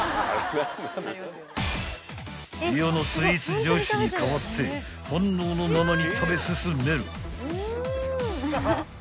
［世のスイーツ女子に代わって本能のままに食べ進める］